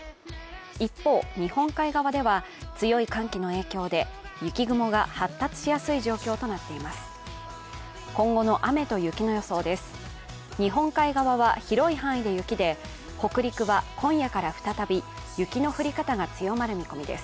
一方、日本海側では強い寒気の影響で雪雲が発達しやすい状況となっています。